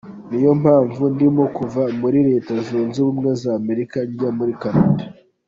Niyo mpamvu ndimo kuva muri Leta Zunze Ubumwe za Amerika njya muri Canada.